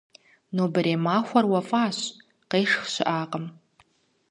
Нобэрей махуэр уэфӀащ, къешх щыӀакъым.